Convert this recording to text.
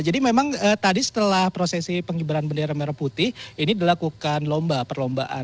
jadi memang tadi setelah prosesi penghiburan bendera merah putih ini dilakukan perlombaan